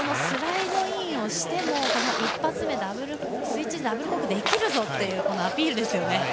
スライドインをしても１発目、スイッチダブルコークできるぞというアピールですよね。